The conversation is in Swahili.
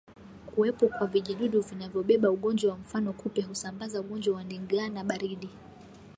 Kuwepo kwa vijidudu vinavyobeba ugonjwa mfano kupe husamabaza ugonjwa wa ndigana baridi